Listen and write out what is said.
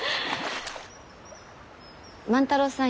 万太郎さん